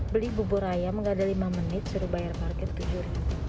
beli bubur ayam gak ada lima menit suruh bayar parkir tujuh ribu